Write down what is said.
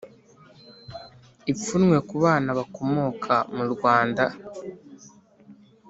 Ipfunwe ku bana bakomoka murwanda